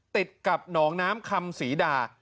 ติดกับหนองน้ำคำศรีดา